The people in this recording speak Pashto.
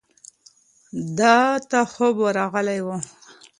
ده ته خوب ورغلی و.